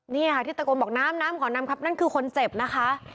นี่ค่ะที่ตะโกนบอกน้ำน้ำขอน้ำครับนั่นคือคนเจ็บนะคะ